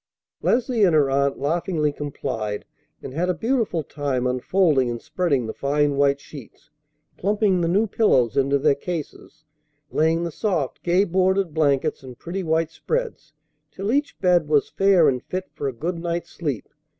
Leslie and her aunt laughingly complied, and had a beautiful time unfolding and spreading the fine white sheets, plumping the new pillows into their cases, laying the soft, gay bordered blankets and pretty white spreads, till each bed was fair and fit for a good night's sleep.